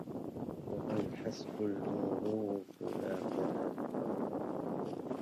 وما الحسب الموروث لا در دره